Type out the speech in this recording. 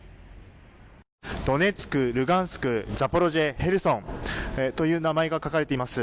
ドネツク、ルハンスクザポリージャ、ヘルソンというという名前が書かれています。